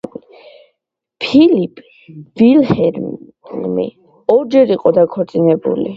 ფილიპ ვილჰელმი ორჯერ იყო დაქორწინებული.